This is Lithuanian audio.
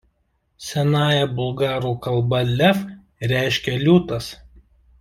Senąja bulgarų kalba "„lev“" reiškia "„liūtas“".